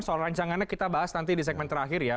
soal rancangannya kita bahas nanti di segmen terakhir ya